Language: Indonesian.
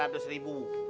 tuh tiga ratus ribu